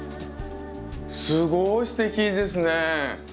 すごいすてきですね。